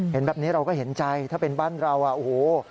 เห็นแบบนี้เราก็เห็นใจถ้าเป็นบ้านเราอ่ะโอ้โห